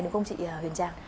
đúng không chị huyền trang